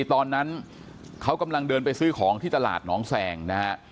ตอนนั้นเขากำลังเดินไปซื้อของที่ตลาดหนองแสงนะฮะ